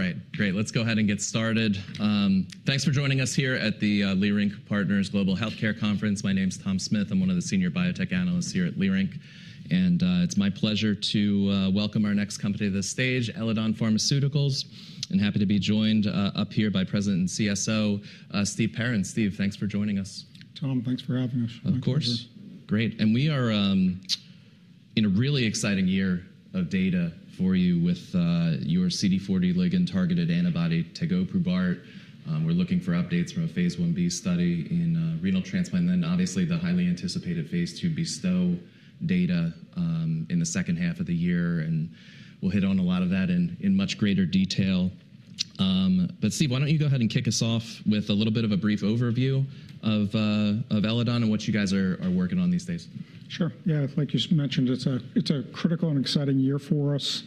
All right, great. Let's go ahead and get started. Thanks for joining us here at the Leerink Partners Global Healthcare Conference. My name is Thomas Smith. I'm one of the senior biotech analysts here at Leerink. It's my pleasure to welcome our next company to the stage, Eledon Pharmaceuticals. Happy to be joined up here by President and CSO, Steven Perrin. Steven, thanks for joining us. Thomas, thanks for having us. Of course. Great. We are in a really exciting year of data for you with your CD40 ligand-targeted antibody, tegoprubart. We're looking for updates from a Phase 1b study in renal transplant, and then 1obviously the highly anticipated Phase 2 BESTOW data in the second half of the year. We'll hit on a lot of that in much greater detail. Steven, why don't you go ahead and kick us off with a little bit of a brief overview of Eledon and what you guys are working on these days? Sure. Yeah, like you mentioned, it's a critical and exciting year for us.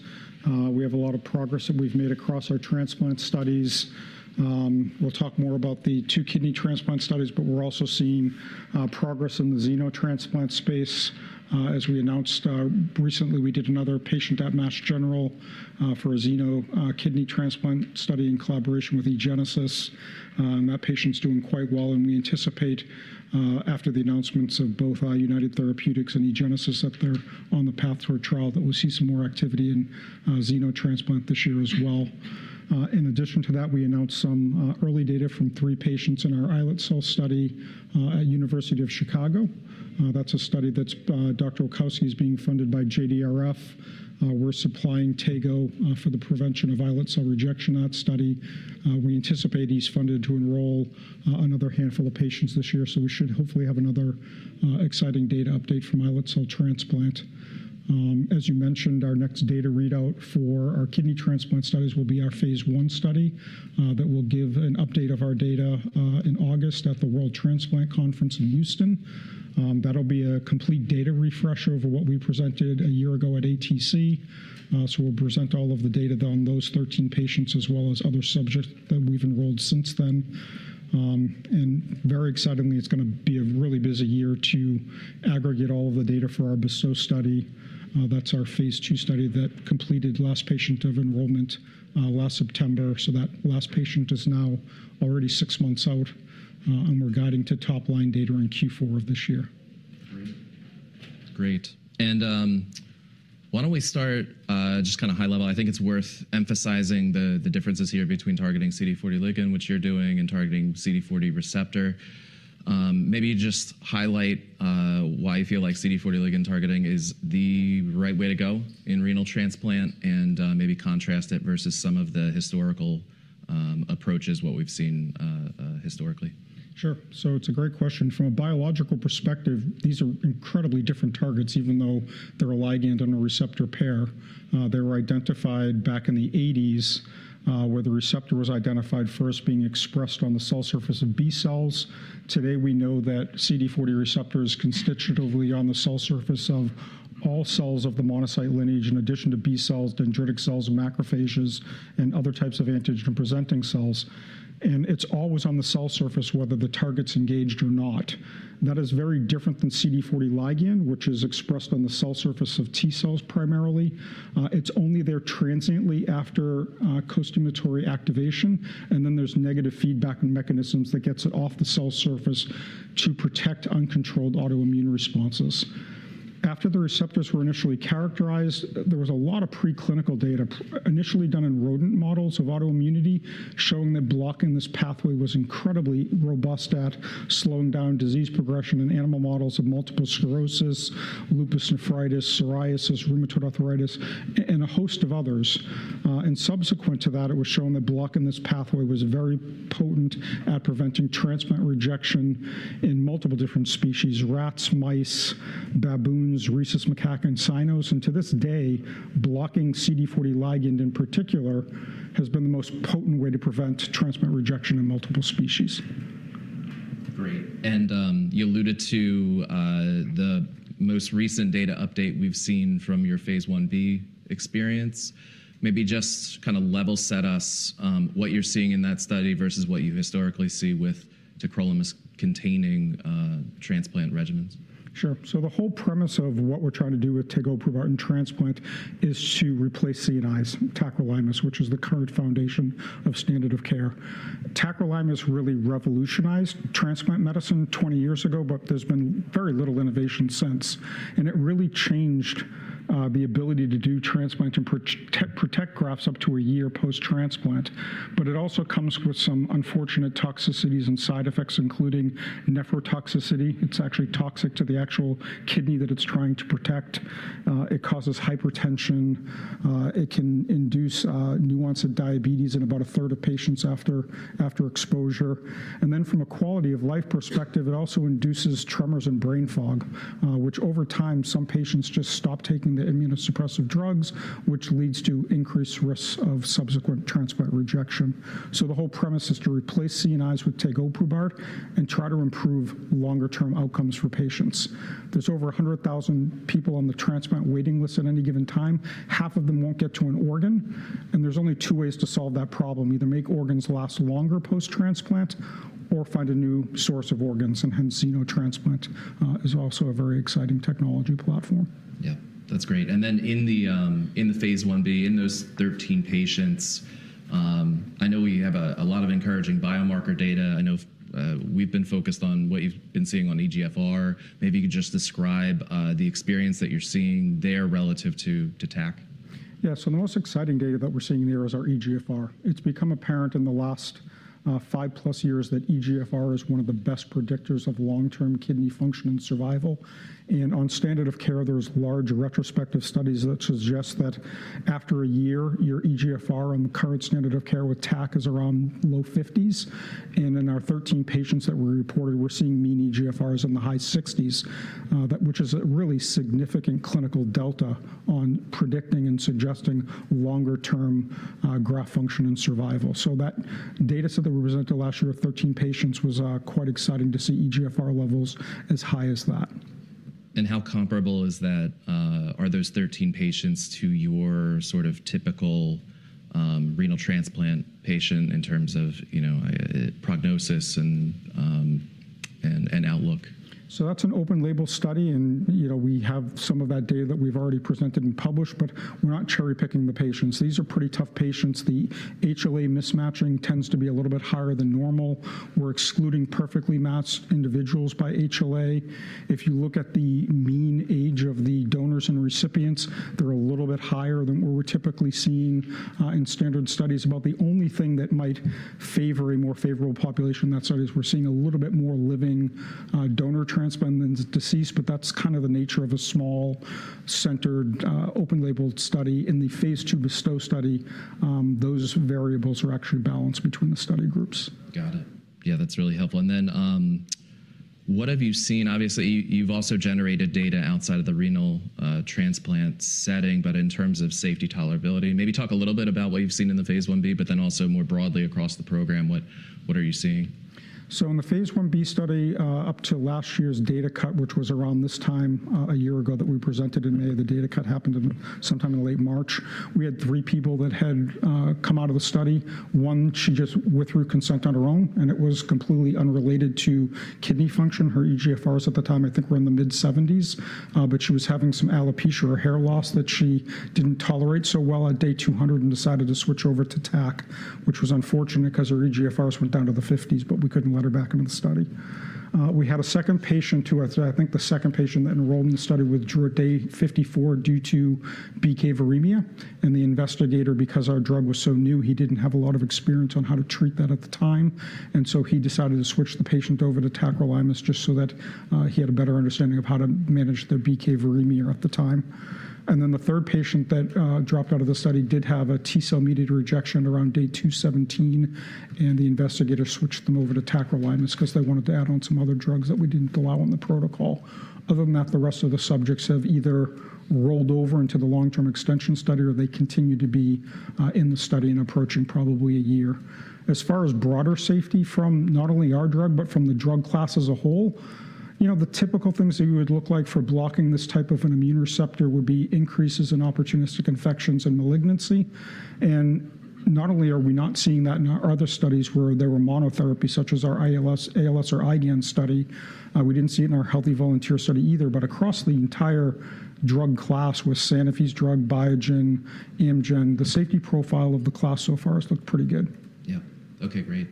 We have a lot of progress that we've made across our transplant studies. We'll talk more about the two kidney transplant studies, but we're also seeing progress in the xenotransplant space. As we announced recently, we did another patient at Massachusetts General Hospital for a xenokidney transplant study in collaboration with eGenesis. That patient's doing quite well, and we anticipate, after the announcements of both United Therapeutics and eGenesis, that they're on the path to a trial that will see some more activity in xenotransplant this year as well. In addition to that, we announced some early data from three patients in our islet cell study at University of Chicago. That's a study that Dr. Dixon Kaufman is being funded by JDRF. We're supplying tegoprubart for the prevention of islet cell rejection in that study. We anticipate he's funded to enroll another handful of patients this year, so we should hopefully have another exciting data update from islet cell transplant. As you mentioned, our next data readout for our kidney transplant studies will be our Phase 1 study that will give an update of our data in August at the World Transplant Congress in Houston. That'll be a complete data refresher over what we presented a year ago at ATC. We will present all of the data on those 13 patients, as well as other subjects that we've enrolled since then. Very excitingly, it's going to be a really busy year to aggregate all of the data for our BESTOW study. That's our Phase 2 study that completed last patient of enrollment last September. That last patient is now already six months out, and we're guiding to top-line data in Q4 of this year. Great. Why don't we start just kind of high level? I think it's worth emphasizing the differences here between targeting CD40 ligand, which you're doing, and targeting CD40 receptor. Maybe just highlight why you feel like CD40 ligand targeting is the right way to go in renal transplant and maybe contrast it versus some of the historical approaches, what we've seen historically. Sure. It's a great question. From a biological perspective, these are incredibly different targets, even though they're a ligand and a receptor pair. They were identified back in the 1980s, where the receptor was identified first being expressed on the cell surface of B cells. Today, we know that CD40 receptor is constitutively on the cell surface of all cells of the monocyte lineage, in addition to B cells, dendritic cells, macrophages, and other types of antigen-presenting cells. It's always on the cell surface, whether the target's engaged or not. That is very different than CD40 ligand, which is expressed on the cell surface of T cells primarily. It's only there transiently after costimulatory activation, and then there's negative feedback mechanisms that get it off the cell surface to protect uncontrolled autoimmune responses. After the receptors were initially characterized, there was a lot of preclinical data, initially done in rodent models of autoimmunity, showing that blocking this pathway was incredibly robust at slowing down disease progression in animal models of multiple sclerosis, lupus nephritis, psoriasis, rheumatoid arthritis, and a host of others. Subsequent to that, it was shown that blocking this pathway was very potent at preventing transplant rejection in multiple different species: rats, mice, baboons, rhesus macaque, and cynos. To this day, blocking CD40 ligand in particular has been the most potent way to prevent transplant rejection in multiple species. Great. You alluded to the most recent data update we've seen from your Phase 1b experience. Maybe just kind of level set us what you're seeing in that study versus what you historically see with tacrolimus-containing transplant regimens. Sure. The whole premise of what we're trying to do with tegoprubart in transplant is to replace the CNI, tacrolimus, which is the current foundation of standard of care. Tacrolimus really revolutionized transplant medicine 20 years ago, but there's been very little innovation since. It really changed the ability to do transplant and protect graft up to a year post-transplant. It also comes with some unfortunate toxicities and side effects, including nephrotoxicity. It's actually toxic to the actual kidney that it's trying to protect. It causes hypertension. It can induce new-onset diabetes in about a third of patients after exposure. From a quality of life perspective, it also induces tremors and brain fog, which over time, some patients just stop taking the immunosuppressive drugs, which leads to increased risks of subsequent transplant rejection. The whole premise is to replace the CNI with tegoprubart and try to improve longer-term outcomes for patients. There are over 100,000 people on the transplant waiting list at any given time. Half of them will not get to an organ. There are only two ways to solve that problem: either make organs last longer post-transplant or find a new source of organs. Hence, xenotransplant is also a very exciting technology platform. Yeah, that's great. In the phase IB, in those 13 patients, I know you have a lot of encouraging biomarker data. I know we've been focused on what you've been seeing on eGFR. Maybe you could just describe the experience that you're seeing there relative to TAC. Yeah, so the most exciting data that we're seeing there is our eGFR. It's become apparent in the last five-plus years that eGFR is one of the best predictors of long-term kidney function and survival. On standard of care, there are large retrospective studies that suggest that after a year, your eGFR on the current standard of care with TAC is around low 50s. In our 13 patients that were reported, we're seeing mean eGFRs in the high 60s, which is a really significant clinical delta on predicting and suggesting longer-term graft function and survival. That data set that we presented last year of 13 patients was quite exciting to see eGFR levels as high as that. How comparable is that? Are those 13 patients to your sort of typical renal transplant patient in terms of prognosis and outlook? That is an open-label study. We have some of that data that we have already presented and published, but we are not cherry-picking the patients. These are pretty tough patients. The HLA mismatching tends to be a little bit higher than normal. We are excluding perfectly matched individuals by HLA. If you look at the mean age of the donors and recipients, they are a little bit higher than what we are typically seeing in standard studies. About the only thing that might favor a more favorable population in that study is we are seeing a little bit more living donor transplant than deceased, but that is kind of the nature of a small-centered open-label study. In the phase II BESTOW study, those variables are actually balanced between the study groups. Got it. Yeah, that's really helpful. What have you seen? Obviously, you've also generated data outside of the renal transplant setting, but in terms of safety tolerability, maybe talk a little bit about what you've seen in the phase IB, but then also more broadly across the program, what are you seeing? In the phase IB study, up to last year's data cut, which was around this time a year ago that we presented in May, the data cut happened sometime in late March. We had three people that had come out of the study. One, she just withdrew consent on her own, and it was completely unrelated to kidney function. Her eGFRs at the time, I think, were in the mid-70s, but she was having some alopecia or hair loss that she did not tolerate so well at day 200 and decided to switch over to TAC, which was unfortunate because her eGFRs went down to the 50s, but we could not let her back into the study. We had a second patient who I think the second patient that enrolled in the study withdrew at day 54 due to bacteremia. The investigator, because our drug was so new, he didn't have a lot of experience on how to treat that at the time. He decided to switch the patient over to tacrolimus just so that he had a better understanding of how to manage the bacteremia at the time. The third patient that dropped out of the study did have a T cell-mediated rejection around day 217, and the investigator switched them over to tacrolimus because they wanted to add on some other drugs that we didn't allow on the protocol. Other than that, the rest of the subjects have either rolled over into the long-term extension study or they continue to be in the study and approaching probably a year. As far as broader safety from not only our drug, but from the drug class as a whole, the typical things that you would look like for blocking this type of an immune receptor would be increases in opportunistic infections and malignancy. Not only are we not seeing that in our other studies where there were monotherapies, such as our ALS or IgAN study, we didn't see it in our healthy volunteer study either. Across the entire drug class with Sanofi's drug, Biogen, Amgen, the safety profile of the class so far has looked pretty good. Yeah. Okay, great.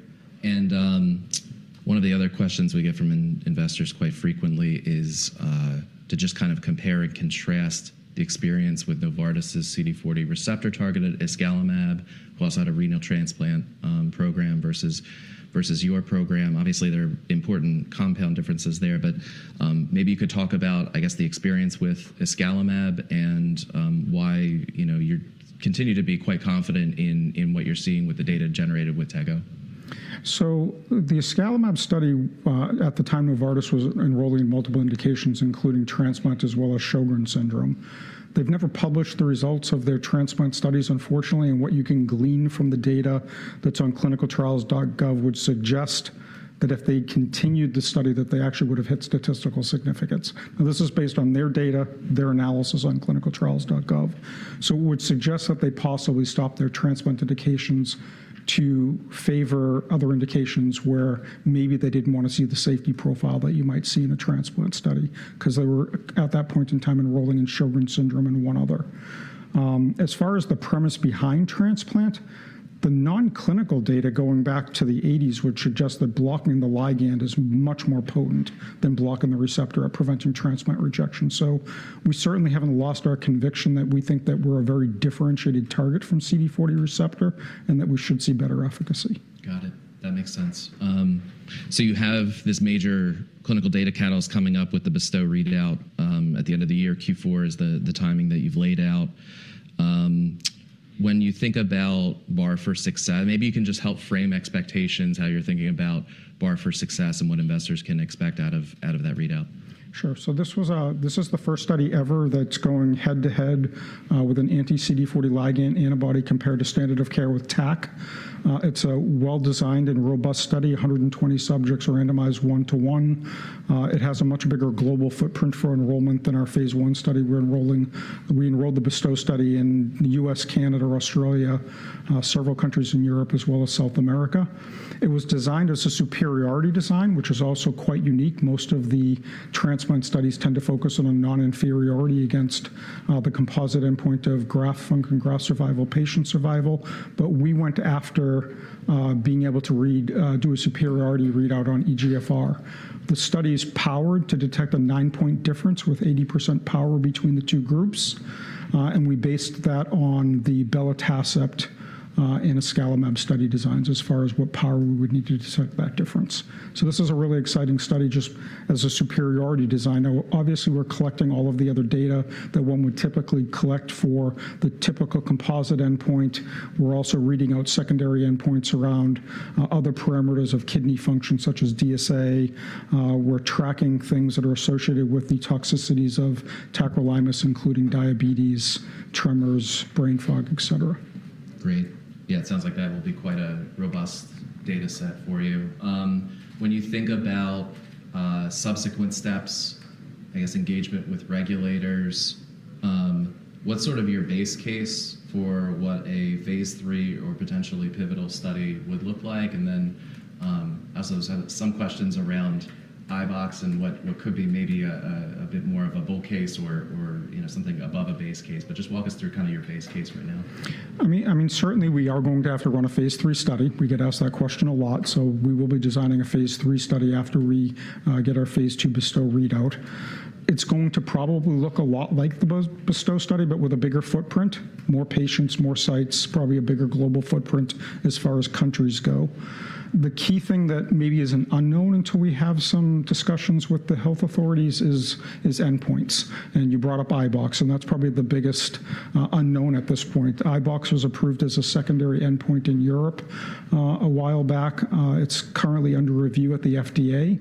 One of the other questions we get from investors quite frequently is to just kind of compare and contrast the experience with Novartis' CD40 receptor-targeted iscalimab, who also had a renal transplant program versus your program. Obviously, there are important compound differences there, but maybe you could talk about, I guess, the experience with iscalimab and why you continue to be quite confident in what you're seeing with the data generated with Tegoprubart. The iscalimab study at the time Novartis was enrolling in multiple indications, including transplant, as well as Sjogren's syndrome. They've never published the results of their transplant studies, unfortunately. What you can glean from the data that's on clinicaltrials.gov would suggest that if they continued the study, that they actually would have hit statistical significance. This is based on their data, their analysis on clinicaltrials.gov. It would suggest that they possibly stopped their transplant indications to favor other indications where maybe they didn't want to see the safety profile that you might see in a transplant study because they were at that point in time enrolling in Sjogren's syndrome and one other. As far as the premise behind transplant, the non-clinical data going back to the 1980s would suggest that blocking the ligand is much more potent than blocking the receptor at preventing transplant rejection. We certainly haven't lost our conviction that we think that we're a very differentiated target from CD40 receptor and that we should see better efficacy. Got it. That makes sense. You have this major clinical data catalyst coming up with the BESTOW readout at the end of the year. Q4 is the timing that you've laid out. When you think about bar for success, maybe you can just help frame expectations, how you're thinking about bar for success and what investors can expect out of that readout. Sure. This is the first study ever that's going head-to-head with an anti-CD40 ligand antibody compared to standard of care with tacrolimus. It's a well-designed and robust study. 120 subjects are randomized one-to-one. It has a much bigger global footprint for enrollment than our phase I study. We're enrolling the BESTOW study in the United States, Canada, Australia, several countries in Europe, as well as South America. It was designed as a superiority design, which is also quite unique. Most of the transplant studies tend to focus on a non-inferiority against the composite endpoint of graft function, graft survival, patient survival. We went after being able to do a superiority readout on eGFR. The study is powered to detect a nine-point difference with 80% power between the two groups. We based that on the belatacept and iscalimab study designs as far as what power we would need to detect that difference. This is a really exciting study just as a superiority design. Obviously, we're collecting all of the other data that one would typically collect for the typical composite endpoint. We're also reading out secondary endpoints around other parameters of kidney function, such as DSA. We're tracking things that are associated with the toxicities of tacrolimus, including diabetes, tremors, brain fog, et cetera. Great. Yeah, it sounds like that will be quite a robust data set for you. When you think about subsequent steps, I guess, engagement with regulators, what's sort of your base case for what a Phase 3 or potentially pivotal study would look like? I also have some questions around iBox and what could be maybe a bit more of a bull case or something above a base case. Just walk us through kind of your base case right now. I mean, certainly, we are going to have to run a Phase 3 study. We get asked that question a lot. We will be designing a Phase 3 study after we get our phase II BESTOW readout. It's going to probably look a lot like the BESTOW study, but with a bigger footprint, more patients, more sites, probably a bigger global footprint as far as countries go. The key thing that maybe is an unknown until we have some discussions with the health authorities is endpoints. You brought up iBox, and that's probably the biggest unknown at this point. iBox was approved as a secondary endpoint in Europe a while back. It's currently under review at the FDA.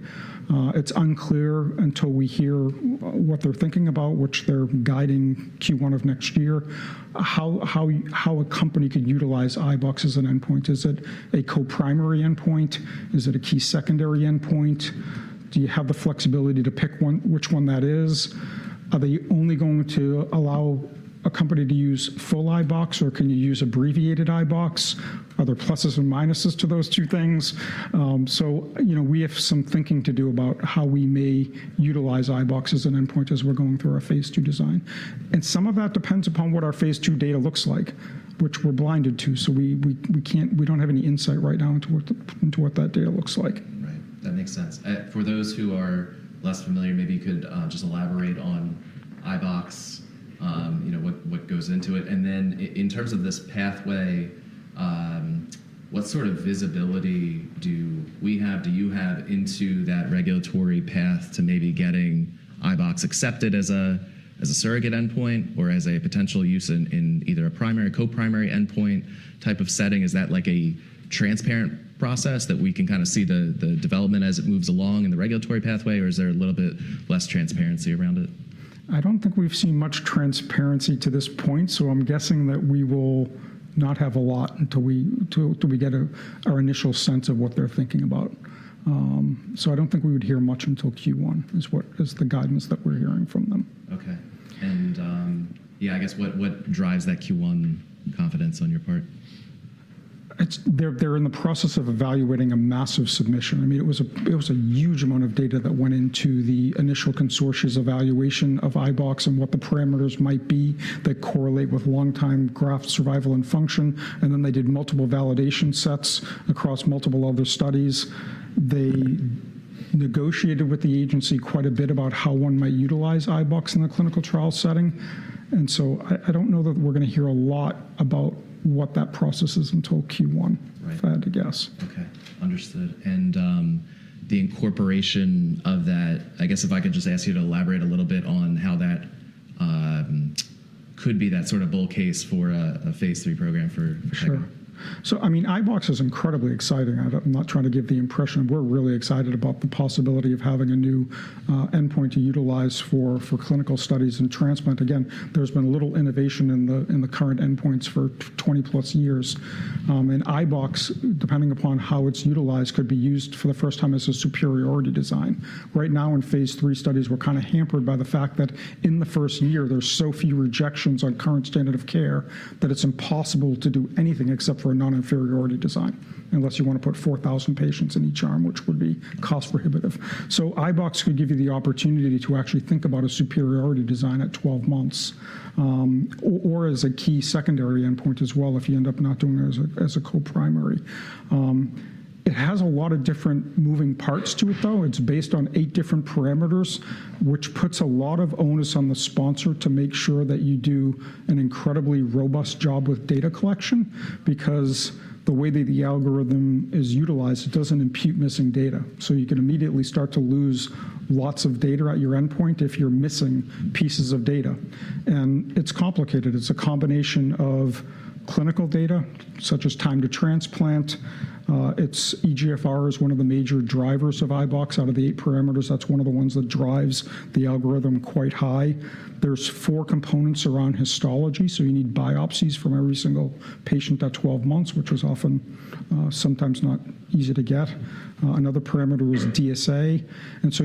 It's unclear until we hear what they're thinking about, which they're guiding Q1 of next year, how a company could utilize iBox as an endpoint. Is it a co-primary endpoint? Is it a key secondary endpoint? Do you have the flexibility to pick which one that is? Are they only going to allow a company to use full iBox, or can you use abbreviated iBox? Are there pluses and minuses to those two things? We have some thinking to do about how we may utilize iBox as an endpoint as we're going through our phase II design. Some of that depends upon what our phase II data looks like, which we're blinded to. We do not have any insight right now into what that data looks like. Right. That makes sense. For those who are less familiar, maybe you could just elaborate on iBox, what goes into it. And then in terms of this pathway, what sort of visibility do we have, do you have into that regulatory path to maybe getting iBox accepted as a surrogate endpoint or as a potential use in either a primary, co-primary endpoint type of setting? Is that like a transparent process that we can kind of see the development as it moves along in the regulatory pathway, or is there a little bit less transparency around it? I don't think we've seen much transparency to this point, so I'm guessing that we will not have a lot until we get our initial sense of what they're thinking about. I don't think we would hear much until Q1 is the guidance that we're hearing from them. Okay. Yeah, I guess what drives that Q1 confidence on your part? They're in the process of evaluating a massive submission. I mean, it was a huge amount of data that went into the initial consortium's evaluation of iBox and what the parameters might be that correlate with long-time graft survival and function. They did multiple validation sets across multiple other studies. They negotiated with the agency quite a bit about how one might utilize iBox in a clinical trial setting. I don't know that we're going to hear a lot about what that process is until Q1, if I had to guess. Okay. Understood. The incorporation of that, I guess if I could just ask you to elaborate a little bit on how that could be that sort of bull case for a Phase 3 program for tegoprubart. Sure. I mean, iBox is incredibly exciting. I'm not trying to give the impression we're really excited about the possibility of having a new endpoint to utilize for clinical studies in transplant. Again, there's been little innovation in the current endpoints for 20-plus years. iBox, depending upon how it's utilized, could be used for the first time as a superiority design. Right now, in Phase 3 studies, we're kind of hampered by the fact that in the first year, there's so few rejections on current standard of care that it's impossible to do anything except for a non-inferiority design unless you want to put 4,000 patients in each arm, which would be cost-prohibitive. iBox could give you the opportunity to actually think about a superiority design at 12 months or as a key secondary endpoint as well if you end up not doing it as a co-primary. It has a lot of different moving parts to it, though. It's based on eight different parameters, which puts a lot of onus on the sponsor to make sure that you do an incredibly robust job with data collection because the way that the algorithm is utilized, it doesn't impute missing data. You can immediately start to lose lots of data at your endpoint if you're missing pieces of data. It's complicated. It's a combination of clinical data, such as time to transplant. eGFR is one of the major drivers of iBox out of the eight parameters. That's one of the ones that drives the algorithm quite high. There are four components around histology. You need biopsies from every single patient at 12 months, which was often sometimes not easy to get. Another parameter is DSA.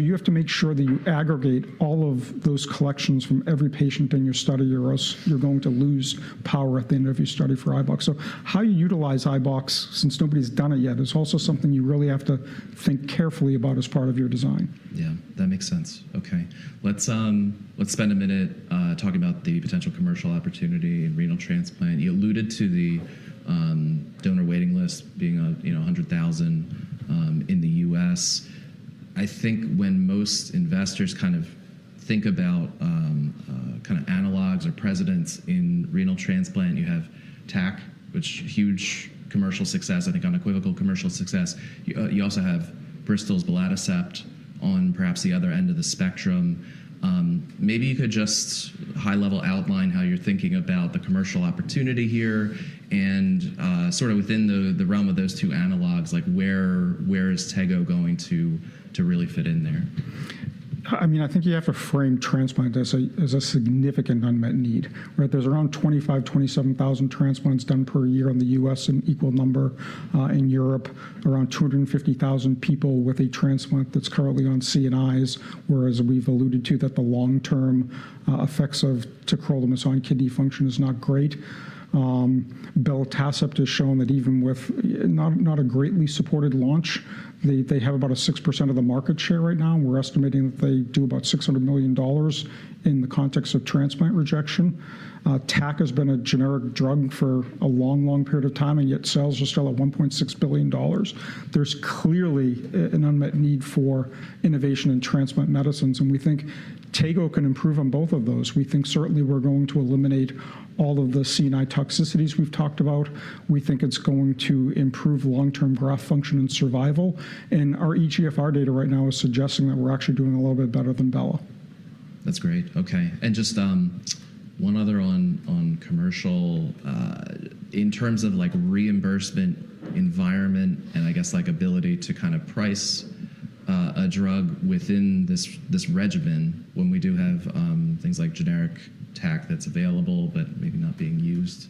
You have to make sure that you aggregate all of those collections from every patient in your study. You're going to lose power at the end of your study for iBox. How you utilize iBox, since nobody's done it yet, is also something you really have to think carefully about as part of your design. Yeah. That makes sense. Okay. Let's spend a minute talking about the potential commercial opportunity in renal transplant. You alluded to the donor waiting list being 100,000 in the U.S. I think when most investors kind of think about kind of analogs or precedents in renal transplant, you have TAC, which is huge commercial success, I think unequivocal commercial success. You also have Bristol's belatacept on perhaps the other end of the spectrum. Maybe you could just high-level outline how you're thinking about the commercial opportunity here and sort of within the realm of those two analogs, like where is Tegoprubart going to really fit in there? I mean, I think you have to frame transplant as a significant unmet need. There's around 25,000-27,000 transplants done per year in the U.S., an equal number in Europe, around 250,000 people with a transplant that's currently on CNIs, whereas we've alluded to that the long-term effects of tacrolimus on kidney function is not great. Belatacept has shown that even with not a greatly supported launch, they have about a 6% of the market share right now. We're estimating that they do about $600 million in the context of transplant rejection. TAC has been a generic drug for a long, long period of time, and yet sales are still at $1.6 billion. There's clearly an unmet need for innovation in transplant medicines. We think Tego can improve on both of those. We think certainly we're going to eliminate all of the CNI toxicities we've talked about. We think it's going to improve long-term graft function and survival. Our eGFR data right now is suggesting that we're actually doing a little bit better than Bela. That's great. Okay. Just one other one on commercial in terms of reimbursement environment and I guess ability to kind of price a drug within this regimen when we do have things like generic TAC that's available but maybe not being used.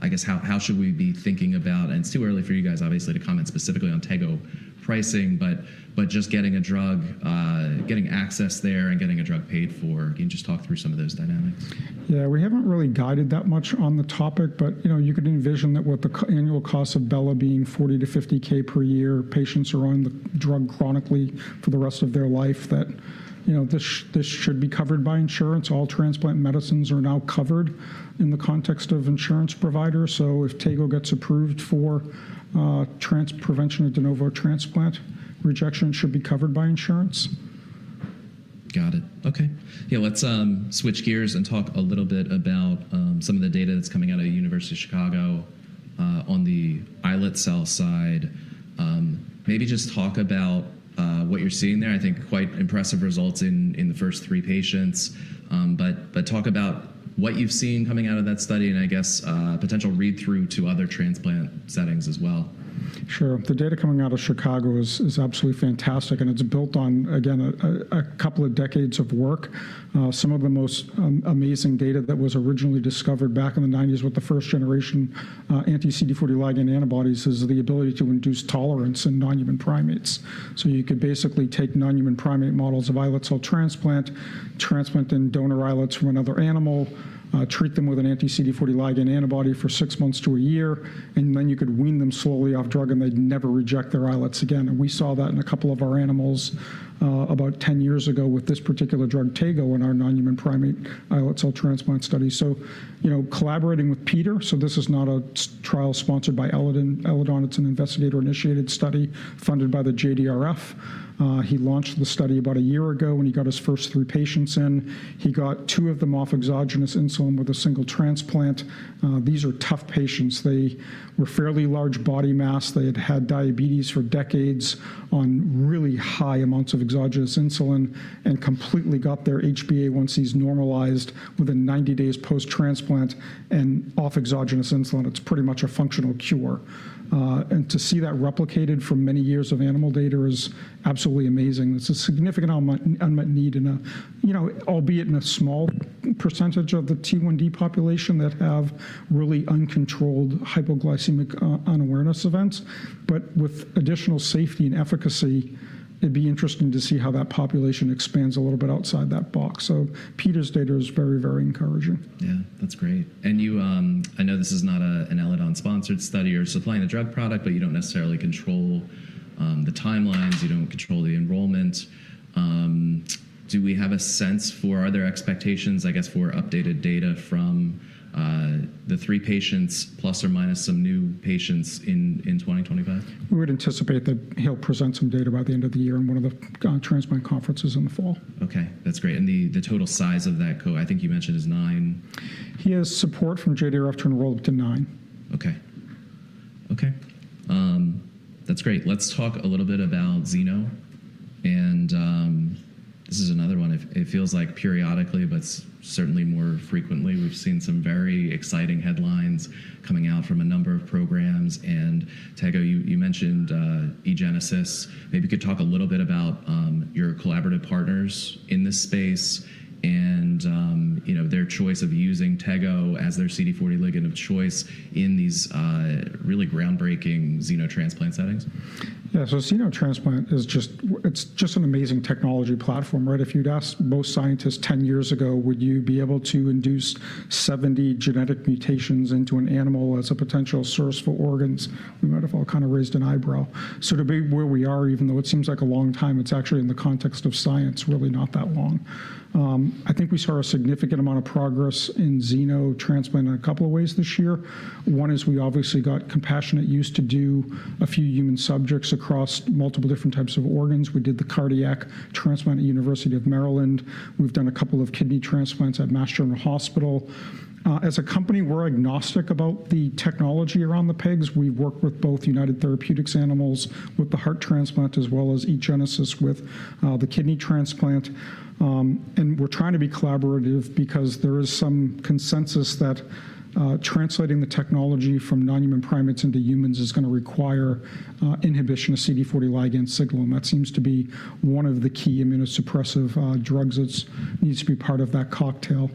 I guess how should we be thinking about, and it's too early for you guys, obviously, to comment specifically on tegoprubart pricing, but just getting a drug, getting access there and getting a drug paid for? Can you just talk through some of those dynamics? Yeah. We haven't really guided that much on the topic, but you could envision that with the annual cost of Bela being $40,000-$50,000 per year, patients are on the drug chronically for the rest of their life, that this should be covered by insurance. All transplant medicines are now covered in the context of insurance providers. If Tegoprubart gets approved for prevention of de novo transplant, rejection should be covered by insurance. Got it. Okay. Yeah. Let's switch gears and talk a little bit about some of the data that's coming out of the University of Chicago on the islet cell side. Maybe just talk about what you're seeing there. I think quite impressive results in the first three patients, but talk about what you've seen coming out of that study and I guess potential read-through to other transplant settings as well. Sure. The data coming out of Chicago is absolutely fantastic. It's built on, again, a couple of decades of work. Some of the most amazing data that was originally discovered back in the 1990s with the first generation anti-CD40 ligand antibodies is the ability to induce tolerance in non-human primates. You could basically take non-human primate models of islet cell transplant, transplant in donor islets from another animal, treat them with an anti-CD40 ligand antibody for six months to a year, and then you could wean them slowly off drug, and they'd never reject their islets again. We saw that in a couple of our animals about 10 years ago with this particular drug, tegoprubart, in our non-human primate islet cell transplant study. Collaborating with Peter, this is not a trial sponsored by Eledon. It's an investigator-initiated study funded by the JDRF. He launched the study about a year ago when he got his first three patients in. He got two of them off exogenous insulin with a single transplant. These are tough patients. They were fairly large body mass. They had had diabetes for decades on really high amounts of exogenous insulin and completely got their HbA1c normalized within 90 days post-transplant. Off exogenous insulin, it's pretty much a functional cure. To see that replicated from many years of animal data is absolutely amazing. It's a significant unmet need, albeit in a small percentage of the T1D population that have really uncontrolled hypoglycemic unawareness events. With additional safety and efficacy, it'd be interesting to see how that population expands a little bit outside that box. Peter's data is very, very encouraging. Yeah. That's great. I know this is not an Eledon-sponsored study or supplying the drug product, but you don't necessarily control the timelines. You don't control the enrollment. Do we have a sense for are there expectations, I guess, for updated data from the three patients plus or minus some new patients in 2025? We would anticipate that he'll present some data by the end of the year in one of the transplant conferences in the fall. Okay. That's great. The total size of that co, I think you mentioned is nine. He has support from JDRF to enroll up to nine. Okay. Okay. That's great. Let's talk a little bit about Xeno. This is another one. It feels like periodically, but certainly more frequently, we've seen some very exciting headlines coming out from a number of programs. And Tegoprubart, you mentioned eGenesis. Maybe you could talk a little bit about your collaborative partners in this space and their choice of using Tegoprubart as their CD40 ligand of choice in these really groundbreaking xenotransplant settings. Yeah. Xenotransplant is just an amazing technology platform. Right? If you'd asked most scientists 10 years ago, would you be able to induce 70 genetic mutations into an animal as a potential source for organs, we might have all kind of raised an eyebrow. To be where we are, even though it seems like a long time, it's actually in the context of science, really not that long. I think we saw a significant amount of progress in xenotransplant in a couple of ways this year. One is we obviously got compassionate use to do a few human subjects across multiple different types of organs. We did the cardiac transplant at University of Maryland. We've done a couple of kidney transplants at Massachusetts General Hospital. As a company, we're agnostic about the technology around the pigs. We've worked with both United Therapeutics animals with the heart transplant as well as eGenesis with the kidney transplant. We're trying to be collaborative because there is some consensus that translating the technology from non-human primates into humans is going to require inhibition of CD40 ligand signaling. That seems to be one of the key immunosuppressive drugs that needs to be part of that cocktail.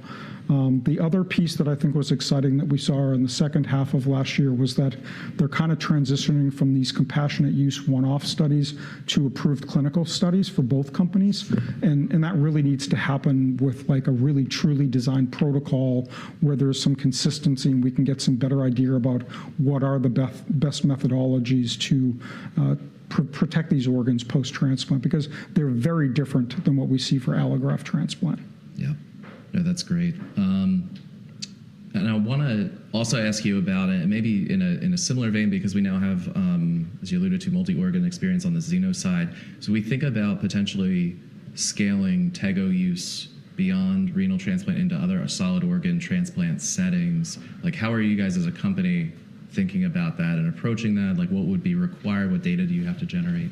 The other piece that I think was exciting that we saw in the second half of last year was that they're kind of transitioning from these compassionate use one-off studies to approved clinical studies for both companies. That really needs to happen with a really truly designed protocol where there is some consistency and we can get some better idea about what are the best methodologies to protect these organs post-transplant because they're very different than what we see for allograft transplant. Yeah. No, that's great. I want to also ask you about it, maybe in a similar vein because we now have, as you alluded to, multi-organ experience on the xeno side. We think about potentially scaling tegoprubart use beyond renal transplant into other solid organ transplant settings. How are you guys as a company thinking about that and approaching that? What would be required? What data do you have to generate?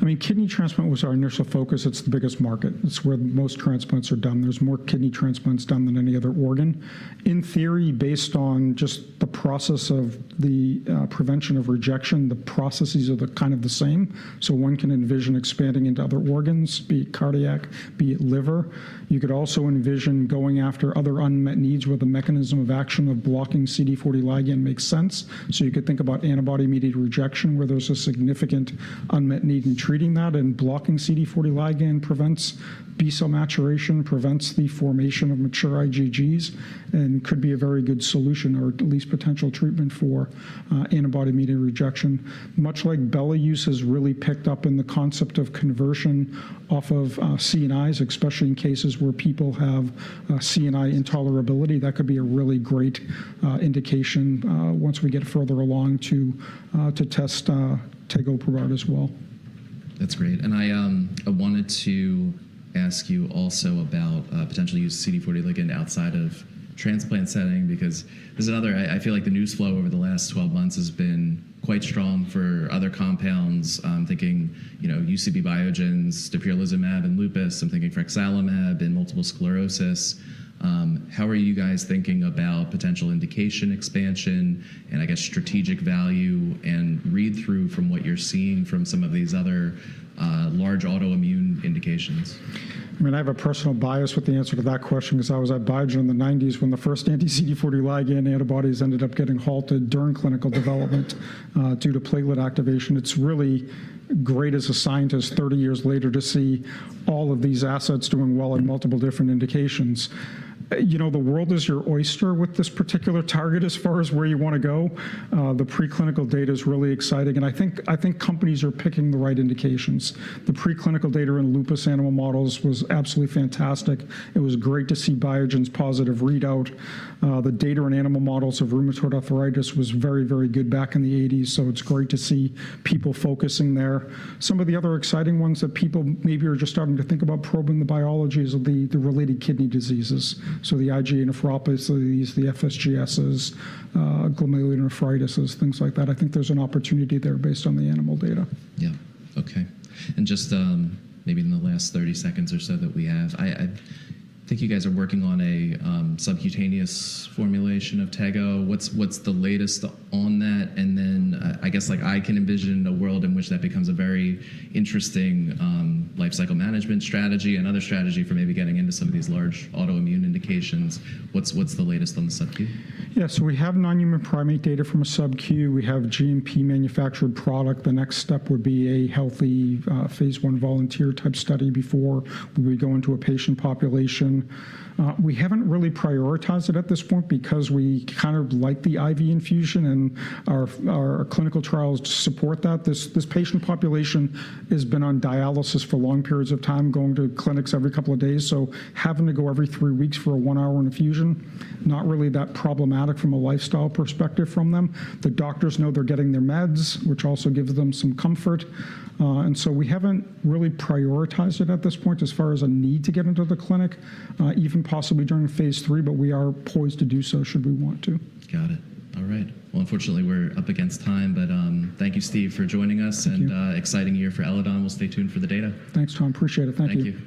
I mean, kidney transplant was our initial focus. It's the biggest market. It's where most transplants are done. There's more kidney transplants done than any other organ. In theory, based on just the process of the prevention of rejection, the processes are kind of the same. One can envision expanding into other organs, be it cardiac, be it liver. You could also envision going after other unmet needs where the mechanism of action of blocking CD40 ligand makes sense. You could think about antibody-mediated rejection where there's a significant unmet need in treating that. Blocking CD40 ligand prevents B-cell maturation, prevents the formation of mature IgGs, and could be a very good solution or at least potential treatment for antibody-mediated rejection. Much like Bella use has really picked up in the concept of conversion off of CNIs, especially in cases where people have CNI intolerability. That could be a really great indication once we get further along to test tegoprubart as well. That's great. I wanted to ask you also about potential use of CD40 ligand outside of transplant setting because there's another I feel like the news flow over the last 12 months has been quite strong for other compounds. I'm thinking UCB, Biogen's dapirolizumab in lupus. I'm thinking frexalimab in multiple sclerosis. How are you guys thinking about potential indication expansion and, I guess, strategic value and read-through from what you're seeing from some of these other large autoimmune indications? I mean, I have a personal bias with the answer to that question because I was at Biogen in the 1990s when the first anti-CD40 ligand antibodies ended up getting halted during clinical development due to platelet activation. It's really great as a scientist 30 years later to see all of these assets doing well in multiple different indications. The world is your oyster with this particular target as far as where you want to go. The preclinical data is really exciting. I think companies are picking the right indications. The preclinical data in lupus animal models was absolutely fantastic. It was great to see Biogen's positive readout. The data in animal models of rheumatoid arthritis was very, very good back in the 1980s. It is great to see people focusing there. Some of the other exciting ones that people maybe are just starting to think about probing the biology is the related kidney diseases. The IgA nephropathy, the FSGSs, glomerulonephritises, things like that. I think there's an opportunity there based on the animal data. Yeah. Okay. Just maybe in the last 30 seconds or so that we have, I think you guys are working on a subcutaneous formulation of Tegoprubart. What's the latest on that? I guess I can envision a world in which that becomes a very interesting lifecycle management strategy and other strategy for maybe getting into some of these large autoimmune indications. What's the latest on the subQ? Yeah. We have non-human primate data from a subQ. We have GMP-manufactured product. The next step would be a healthy phase one volunteer type study before we go into a patient population. We have not really prioritized it at this point because we kind of like the IV infusion and our clinical trials to support that. This patient population has been on dialysis for long periods of time, going to clinics every couple of days. Having to go every three weeks for a one-hour infusion is not really that problematic from a lifestyle perspective for them. The doctors know they are getting their meds, which also gives them some comfort. We have not really prioritized it at this point as far as a need to get into the clinic, even possibly during phase three, but we are poised to do so should we want to. Got it. All right. Unfortunately, we're up against time, but thank you, Steven, for joining us. An exciting year for Eledon. We'll stay tuned for the data. Thanks, Thomas. Appreciate it. Thank you.